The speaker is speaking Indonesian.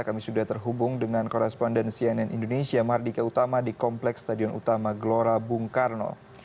kami sudah terhubung dengan koresponden cnn indonesia mardika utama di kompleks stadion utama keluarabungkano